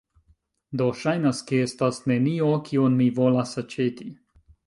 Do, ŝajnas, ke estas nenio kion mi volas aĉeti